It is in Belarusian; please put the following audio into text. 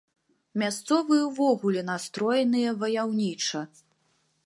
Мясцовыя ўвогуле настроеныя ваяўніча.